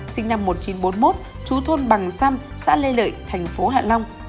sinh năm một nghìn chín trăm bốn mươi một trú thôn bằng xăm xã lê lợi tp hạ long